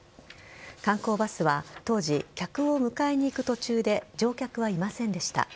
観光バスは当時客を迎えに行く途中で乗客はいませんでした。